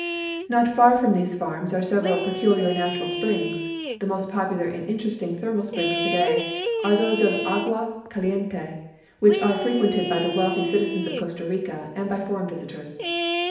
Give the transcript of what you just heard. Not far from tiiese farms are several peculiar natural springs. The most popular and interesting thermal s|)rings today are those of Agua Caliente, which are frecjuented l)y the wealthy citizens of Costa Rica and by foreign visitors.